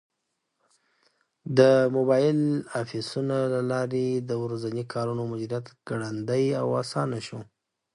د موبایل ایپسونو له لارې د ورځني کارونو مدیریت ګړندی او اسان شوی دی.